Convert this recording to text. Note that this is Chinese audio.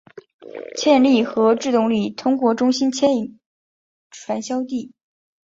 牵引力和制动力通过中心牵引销传递。